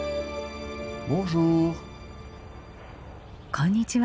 こんにちは。